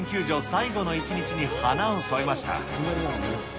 最後の一日に花を添えました。